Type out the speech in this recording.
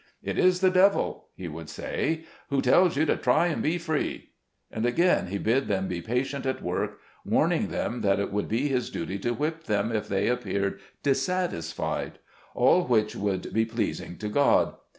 "It is the devil," he would say, "who tells you to try and be free." And again he bid them be patient at work, warning them that it would RELIGIOUS INSTRUCTION. 201 be his duty to whip them, if they appeared dissatis fied — all which would be pleasing to God